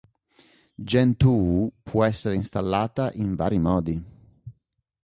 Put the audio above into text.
Gentoo può essere installata in vari modi.